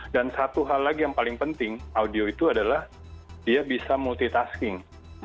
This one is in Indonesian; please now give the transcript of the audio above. dan satu hal lagi yang paling penting audio itu adalah dia bisa multitasking